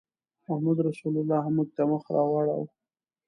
محمدرسول موږ ته مخ راواړاوه.